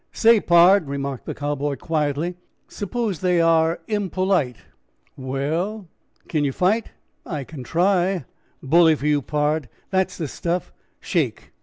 "Say, pard," remarked the Cowboy quietly, "suppose they are impolite?" "Well." "Can you fight?" "I can try." "Bully for you, pard; that's the stuff! Shake."